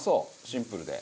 シンプルで。